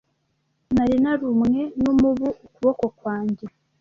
Nari narumwe n'umubu ukuboko kwanjye.